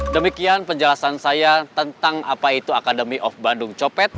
demikian penjelasan saya tentang apa itu academy of bandung copet